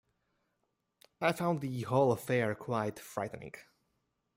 I found the whole affair quite frightening.